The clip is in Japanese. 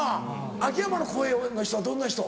秋山の声の人はどんな人？